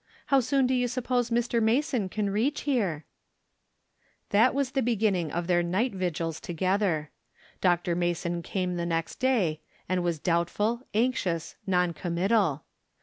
How soon do you suppose Dr. Mason can reach here ?" That was the beginning of their night vigUs together. Dr. Mason came the next day, and was doubtful, a/nxious, non committal.